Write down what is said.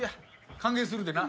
歓迎するでな。